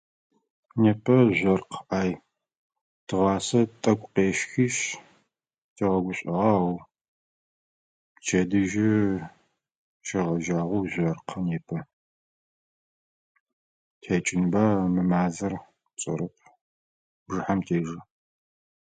Непэ жъуэркъ ӏай, тыгъуасэ тӏэкӏу къещхишъ тигъэгушӏуэгъагъ, ау [unintelligible] пчэдыжьы щегъэжьагъэу жъуэркъы непэ, текӏынба мы мазэр, тшӏэрэп, бжыхьам тежэ